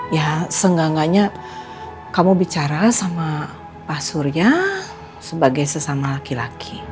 ya seenggak enggaknya kamu bicara sama pak surya sebagai sesama laki laki